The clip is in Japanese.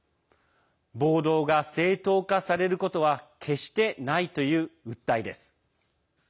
暴動が正当化されることは決してないという訴えです。